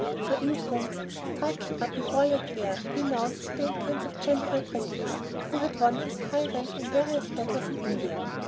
For instance, striking up a warlike air, he announced the entrance of General Pretty Heart, who had won his high rank in various battles in India.